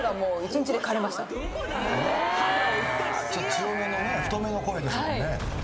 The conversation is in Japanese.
強めのね太めの声ですもんね。